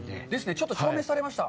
ちょっと証明されました。